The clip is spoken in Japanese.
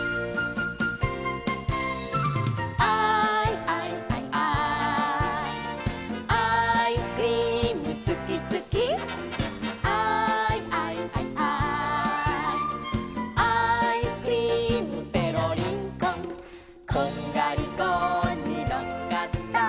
「アイアイアイアイ」「アイスクリームすきすき」「アイアイアイアイ」「アイスクリームペロリンコン」「こんがりコーンにのっかった」